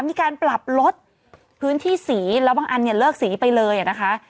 มีการปรับลดพื้นที่สีแล้วบางอันเนี่ยเลิกสีไปเลยนะคะ